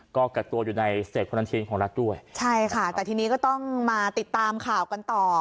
ก็กักตัวอยู่ในสเตคอนันทีนของรัฐด้วยใช่ค่ะแต่ทีนี้ก็ต้องมาติดตามข่าวกันต่อ